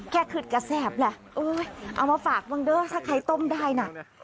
แค่ขึดกระแสบแหละเอามาฝากบ้างเด้อถ้าใครต้มได้นะ